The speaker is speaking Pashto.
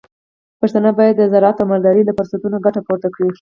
پښتانه بايد د زراعت او مالدارۍ له فرصتونو ګټه پورته کړي.